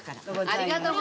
ありがとう。